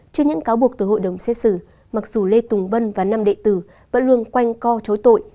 trước những cáo buộc từ hội đồng xét xử mặc dù lê tùng vân và nam đệ tử vẫn luôn quanh co chối tội